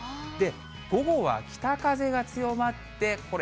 午後は北風が強まって、これ、